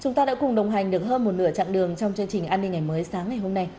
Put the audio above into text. chúng ta đã cùng đồng hành được hơn một nửa chặng đường trong chương trình an ninh ngày mới sáng ngày hôm nay